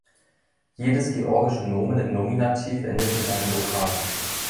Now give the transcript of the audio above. Jedes georgische Nomen im Nominativ endet mit einem Vokal.